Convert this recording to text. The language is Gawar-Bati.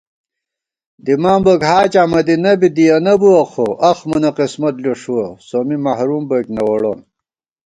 دِمان بوئیک حاجاں مدینہ بی دِیَنہ بُوَہ خو * اَخ مونہ قِسمت لُݭُوَہ سومّی محروم بوئیک نہ ووڑون